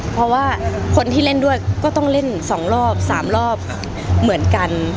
เพราะว่าคนที่เล่นด้วยก็ต้องเล่น๒รอบ๓รอบเหมือนกัน